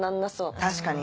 確かに。